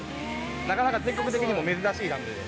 なかなか全国的にも珍しいダムで。